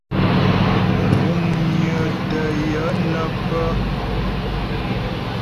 Kuŋnyə tə́ yə nə́ pə́.